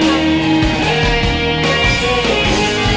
มีนะคะทริปค่ะ